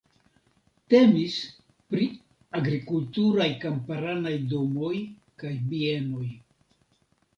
Temis pri agrikulturaj kamparanaj domoj kaj bienoj.